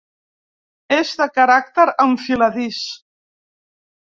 És de caràcter enfiladís.